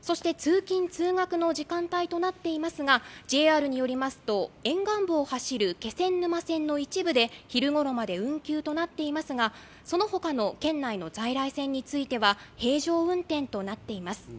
そして通勤・通学の時間帯となっていますが、ＪＲによりますと、沿岸部を走る気仙沼線の一部で昼頃まで運休となっていますが、そのほかの県内の在来線については平常運転となっています。